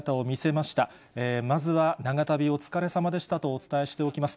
まずは長旅お疲れさまでしたとお伝えしておきます。